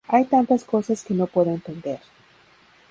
Hay tantas cosas que no puedo entender.